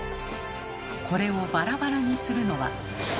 これをバラバラにするのは。